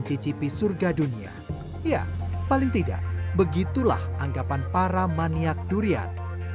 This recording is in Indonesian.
cuma kalau orang tua beli kayak gitu tinggal makan kan pak di rumah